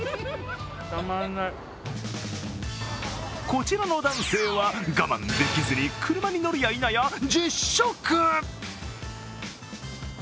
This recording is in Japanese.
こちらの男性は、我慢できずに車に乗るやいなや実食。